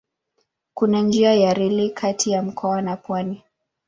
Kuna njia ya reli kati ya mkoa na pwani.